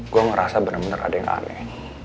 gue ngerasa bener bener ada yang aneh